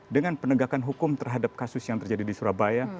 dengan penegakan hukum terhadap kasus yang terjadi di surabaya